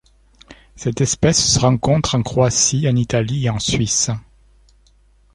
Cette espèce se rencontre en Croatie, en Italie et en Suisse.